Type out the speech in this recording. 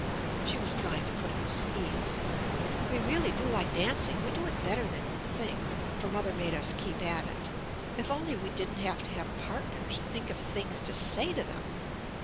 She was trying to put him at his ease. "We really do like dancing: we do it better than you'd think, for mother made us keep at it. If only we didn't have to have partners and think of things to say to them!"